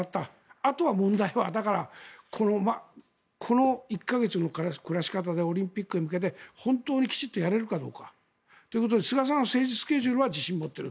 あとは問題はこの１か月の暮らし方でオリンピックに向けて本当にきちんとやれるかどうか。ということで、菅さんは政治スケジュールは自信を持っている。